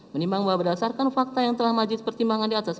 menimbang bahwa berdasarkan fakta yang telah majlis pertimbangan di atas